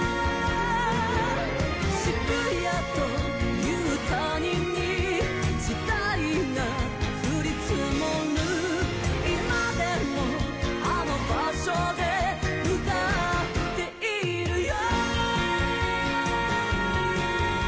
渋谷という谷に時代が降り積もるいまでもあの場所で歌っているよ